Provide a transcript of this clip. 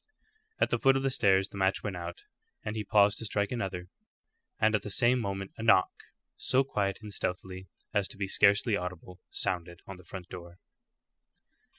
At the foot of the stairs the match went out, and he paused to strike another; and at the same moment a knock, so quiet and stealthy as to be scarcely audible, sounded on the front door.